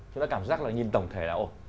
chúng ta cảm giác là nhìn tổng thể là ồ